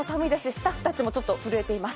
スタッフたちも震えています。